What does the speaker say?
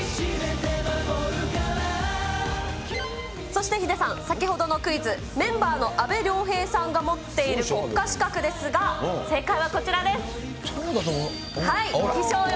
そしてヒデさん、先ほどのクイズ、メンバーの阿部亮平さんが持っている国家資格ですが、正解はこちらです。